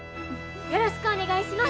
よろしくお願いします！」。